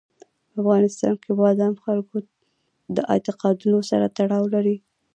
په افغانستان کې بادام د خلکو د اعتقاداتو سره تړاو لري.